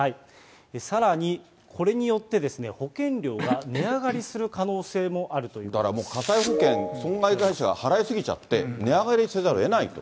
さらに、これによって、保険料は値上がりする可能性もあるとだからもう、火災保険、損害会社が払い過ぎちゃって、値上がりせざるをえないと。